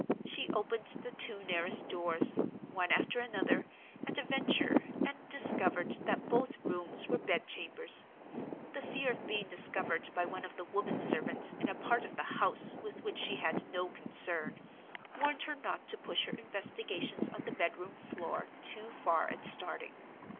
She opened the two nearest doors, one after another, at a venture, and discovered that both rooms were bed chambers. The fear of being discovered by one of the woman servants in a part of the house with which she had no concern, warned her not to push her investigations on the bedroom floor too far at starting.